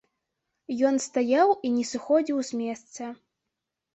Ён стаяў і не сыходзіў з месца.